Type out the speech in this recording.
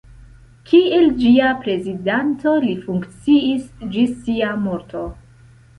Kiel ĝia prezidanto li funkciis ĝis sia morto.